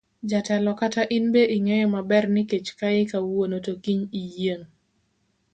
Jatelo kata in be ing'eyo maber ni kech kayi kawuono kiny to iyieng'.